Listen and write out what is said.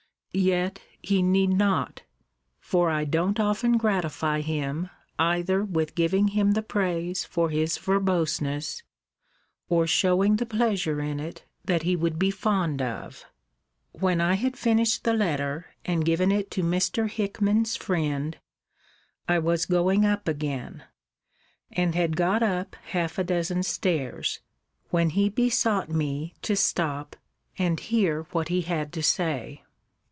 Yet he need not; for I don't often gratify him either with giving him the praise for his verboseness, or shewing the pleasure in it that he would be fond of. When I had finished the letter, and given it to Mr. Hickman's friend, I was going up again, and had got up half a dozen stairs; when he besought be to stop, and hear what he had to say.